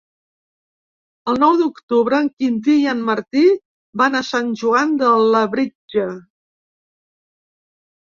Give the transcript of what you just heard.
El nou d'octubre en Quintí i en Martí van a Sant Joan de Labritja.